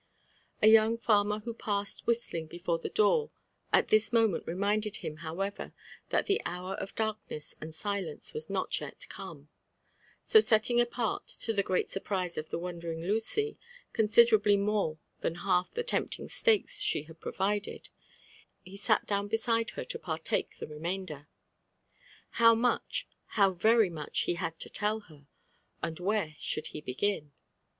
A young farmer who passed whistling before the door at this mo ment reminded him, however, that the hour of darkness and aileniio was not yet come ; so setting apart, to the great surprise of the won dering Lucy, considerably more than half the tempting steaks aha had provided, he sat down beside her to partake the remainder. How much, how very much he had to tell her I — and where tihould he begin